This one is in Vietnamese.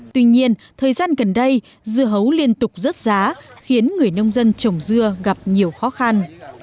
tuy nhiên thời gian gần đây dưa hấu liên tục rớt giá khiến người nông dân trồng dưa gặp nhiều khó khăn